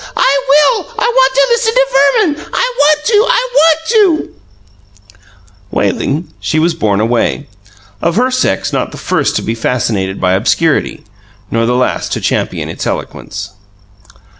I WILL! I want to listen to Verman I WANT to I WANT to " Wailing, she was borne away of her sex not the first to be fascinated by obscurity, nor the last to champion its eloquence.